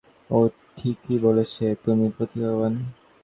ও ঠিকই বলেছে, তুমি প্রতিভাবান।